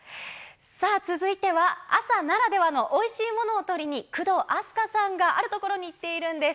さあ、続いては朝ならではのおいしいものを取りに、工藤阿須加さんがある所に行っているんです。